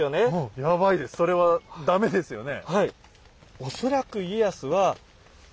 ヤバいですそれは駄目ですよね。